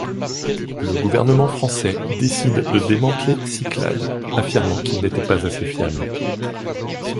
Le gouvernement français décide de démanteler Cyclades, affirmant qu’il n’était pas assez fiable.